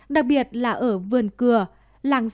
đặc biệt là ở vườn cừa